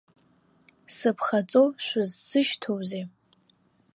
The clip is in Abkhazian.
Сыԥхаҵо шәызсышьҭоузеи?!